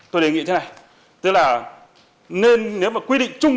tôi đề nghị thế này tức là nên nếu mà quy định chung